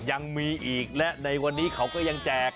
ยังมีอีกและในวันนี้เขาก็ยังแจก